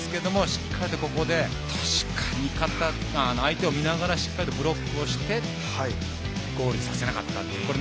しっかりここで相手を見ながらしっかりブロックしてゴールさせなかったという。